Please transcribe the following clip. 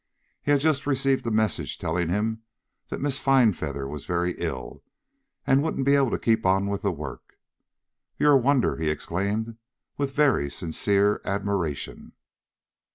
He had just received a message telling him that Miss Finefeather was very ill and wouldn't be able to keep on with the work. "You're a wonder," he exclaimed, with very sincere admiration.